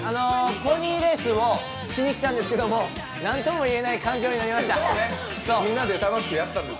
ポニーレースをしにきたんですけどなんとも言えない感情になりました。